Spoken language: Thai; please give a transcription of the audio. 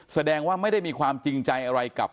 แสดงว่าไม่ได้มีความจริงใจอะไรกับ